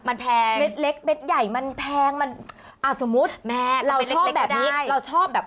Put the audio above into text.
มันแพงเม็ดเล็กเม็ดใหญ่มันแพงมันอ่าสมมุติแม่เราชอบแบบนี้เราชอบแบบ